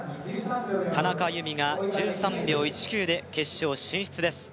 田中佑美が１３秒１９で決勝進出です